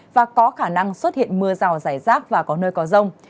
và có khả năng xuất hiện mưa rào rải rác và có nơi có rông